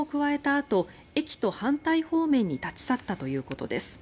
あと駅と反対方面に立ち去ったということです。